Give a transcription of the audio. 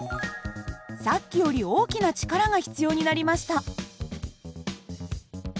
さっきより大きな力が必要になりました。